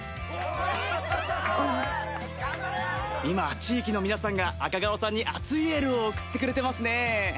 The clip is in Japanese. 今地域の皆さんが赤川さんに熱いエールを送ってくれてますね。